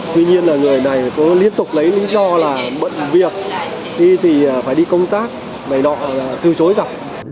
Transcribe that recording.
tuy nhiên là người này có liên tục lấy lý do là bận việc đi thì phải đi công tác này nọ là thư chối cả